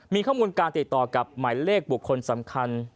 มีข้อมูลการติดต่อกับหมายเลขบุคคลสำคัญ